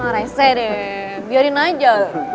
reset deh biarin aja